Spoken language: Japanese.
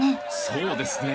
そうですね